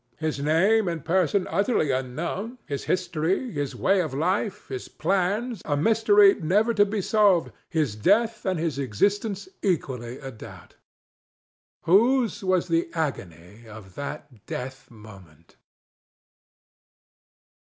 His name and person utterly unknown, his history, his way of life, his plans, a mystery never to be solved, his death and his existence equally a doubt,—whose was the agony of that death moment?